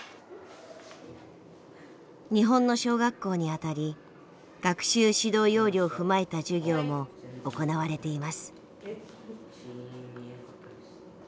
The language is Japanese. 日本の小学校にあたり学習指導要領を踏まえた授業も行われています。